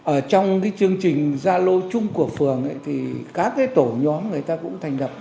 ở trong cái chương trình sa lô chung của phường thì các tổ nhóm người ta cũng thành đập